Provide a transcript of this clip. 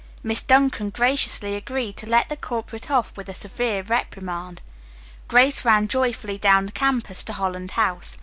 Miss Duncan graciously agreed to let the culprit off with a severe reprimand. Grace ran joyfully down the campus to Holland House.